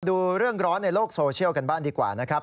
ดูเรื่องร้อนในโลกโซเชียลดีกว่า